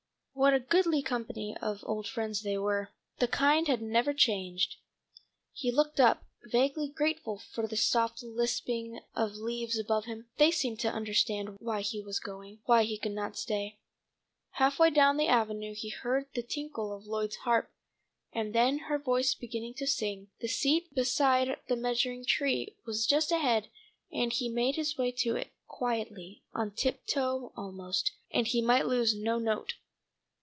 What a goodly company of old friends they were! The kind that never change. He looked up, vaguely grateful for the soft lisping of leaves above him. They seemed to understand why he was going, why he could not stay. Half way down the avenue he heard the tinkle of Lloyd's harp, and then her voice beginning to sing. The seat beside the measuring tree was just ahead and he made his way to it, quietly, on tip toe almost, that he might lose no note.